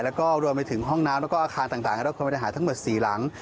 แล้วก็รวมไปถึงห้องน้ำแล้วก็อาคารต่างได้รับความเสียหายทั้งหมด๔หลัง